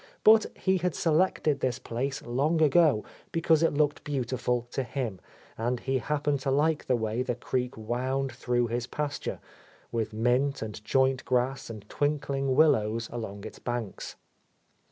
But he had selected this place long ago because it looked beautiful to him, and he happened to like the way the creek wound through his pasture, with mint and joint grass and twinkling willows along its banks.